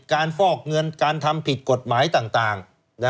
ฟอกเงินการทำผิดกฎหมายต่าง